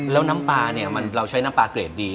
แล้วน้ำปลาเนี่ยเราใช้น้ำปลาเกรดดี